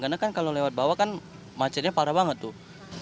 karena kan kalau lewat bawah kan macetnya parah banget tuh